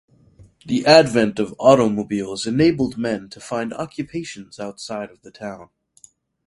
The advent of automobiles enabled men to find occupations outside of the town.